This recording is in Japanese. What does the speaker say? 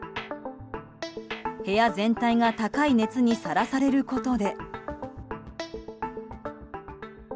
部屋全体が高い熱にさらされることで。